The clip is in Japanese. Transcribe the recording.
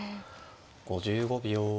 ５５秒。